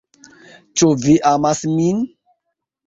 Ĉu vi amas min?